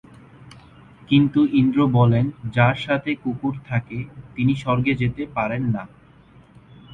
কিন্তু ইন্দ্র বলেন যাঁর সাথে কুকুর থাকে তিনি স্বর্গে যেতে পারেন না।